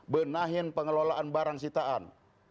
benahin pengelolaan barang sitaan